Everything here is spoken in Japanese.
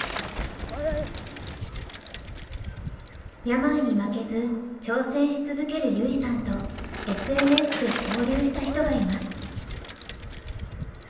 病に負けず挑戦し続ける優生さんとＳＮＳで交流した人がいます。